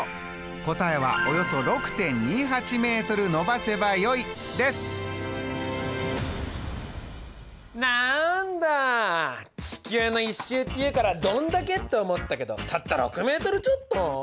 答えはなんだ地球の１周っていうからどんだけって思ったけどたった６ｍちょっと！？